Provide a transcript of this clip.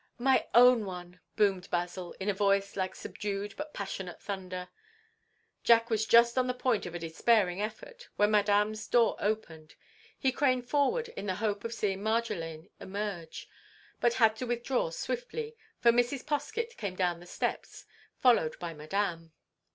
"My own one!" boomed Basil, in a voice like subdued but passionate thunder. Jack was just on the point of a despairing effort, when Madame's door opened. He craned forward in the hope of seeing Marjolaine emerge, but had to withdraw swiftly, for Mrs. Poskett came down the steps, followed by Madame.